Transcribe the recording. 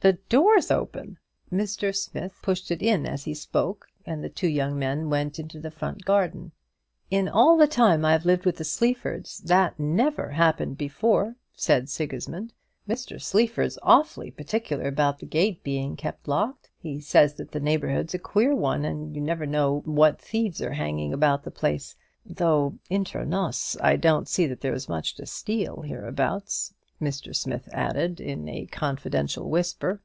"The door's open." Mr. Smith pushed it as he spoke, and the two young men went into the front garden. "In all the time I've lived with the Sleafords, that never happened before," said Sigismund. "Mr. Sleaford's awfully particular about the gate being kept locked. He says that the neighbourhood's a queer one, and you never know what thieves are hanging about the place; though, inter nos, I don't see that there's much to steal hereabouts," Mr. Smith added, in a confidential whisper.